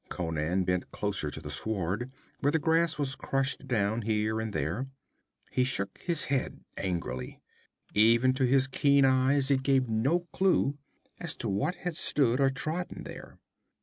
Conan bent closer to the sward, where the grass was crushed down here and there. He shook his head angrily. Even to his keen eyes it gave no clue as to what had stood or trodden there.